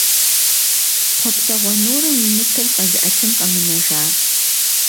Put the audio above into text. Хъуэпсэгъуэ нурым и ныпыр къэзыӀэтын къэмынэжа…